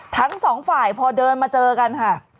ทั้งสองฝ่ายพอเดินมาเจอกันค่ะ